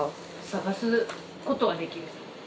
探すことはできる。